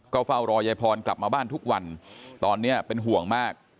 ก็เฝ้ารอยายพรกลับมาบ้านทุกวันตอนนี้เป็นห่วงมาก